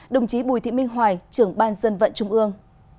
đồng chí bùi thị minh hoài trưởng ban dân vận trung ương